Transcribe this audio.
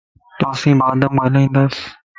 توسين بعد م ڳالھيائنداس